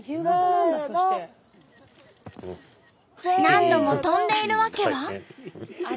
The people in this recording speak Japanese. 何度も跳んでいる訳は。